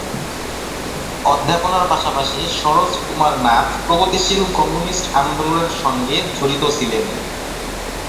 অধ্যাপনার পাশাপাশি সরোজ কুমার নাথ প্রগতিশীল কমিউনিস্ট আন্দোলনের সঙ্গে জড়িত ছিলেন।